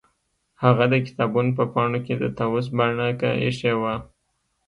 هغه د کتابونو په پاڼو کې د طاووس بڼکه ایښې وه